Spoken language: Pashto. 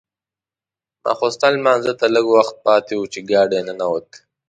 ماخوستن لمانځه ته لږ وخت پاتې و چې ګاډی ننوت.